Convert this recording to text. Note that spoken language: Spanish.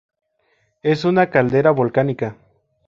Es una caldera volcánica.